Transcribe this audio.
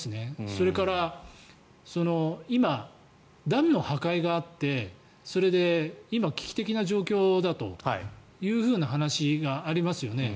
それから今、ダムの破壊があってそれで今、危機的な状況だというふうな話がありますよね。